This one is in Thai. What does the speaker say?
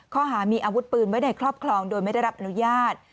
ข้อหามีอาวุธปืนไว้ในครอบครองโดยไม่ได้รับอนุญาต